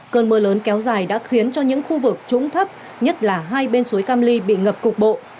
cơn mưa lớn kéo dài đã khiến cho những khu vực trũng thấp nhất là hai bên suối cam ly bị ngập cục bộ